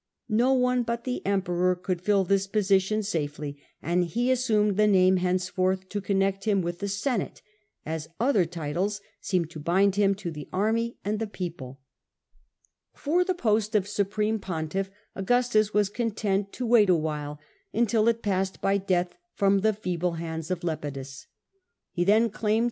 No one but the Emperor could fill this position safely, and he assumed the name henceforth to connect him with the Senate, as other titles seemed to bind him to the army and the people. The Earlier Empire, B.C. 31 For the post of Supreme Pontiff, Augustus was con tent to wait awhile, until it passed by death from the Pohtifex feeble hands of Lepidus. He then claimed Maximus.